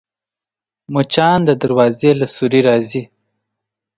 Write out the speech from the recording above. مچان د دروازې له سوري راځي